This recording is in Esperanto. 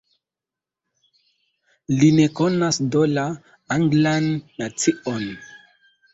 Li ne konas do la Anglan nacion.